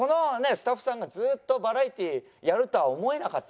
スタッフさんがずーっとバラエティーやるとは思えなかったので。